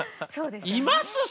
います？